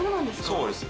そうです。